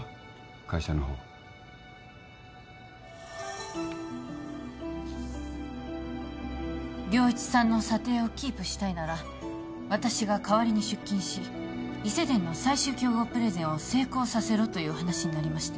会社のほう良一さんの査定をキープしたいなら私が代わりに出勤し伊勢電の最終競合プレゼンを成功させろという話になりまして